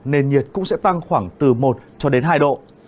nền nhiệt cũng sẽ tăng khoảng từ một cho đến hai độ